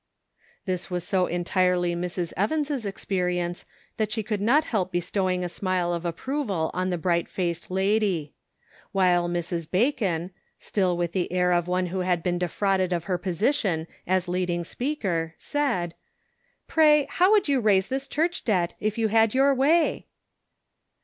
This was so entirely Mrs. Evans' experience that she could not help bestowing a smile of approval upon the bright faced lady. While Mrs. Bacon, still with the air of one who had been defrauded of her position as leading speaker, asked :" Pray, how would you raise this church debt if you had your way